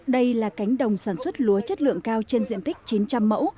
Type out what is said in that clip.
đây là cánh đồng sản xuất lúa chất lượng cao trên diện tích chín trăm linh mẫu